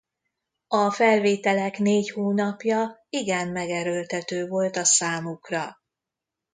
A felvételek négy hónapja igen megerőltető volt a számukra.